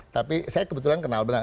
tapi saya kebetulan kenal benang